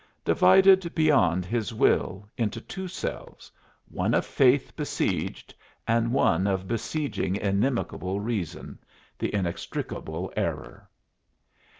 Divided beyond his will into two selves one of faith besieged, and one of besieging inimical reason the inextricable error!